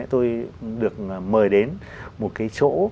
tôi được mời đến một cái chỗ